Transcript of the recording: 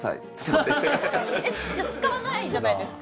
じゃあ使わないじゃないですか。